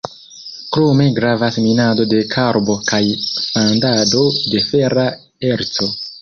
Krome gravas minado de karbo kaj fandado de fera erco.